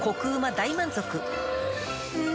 大満足うん！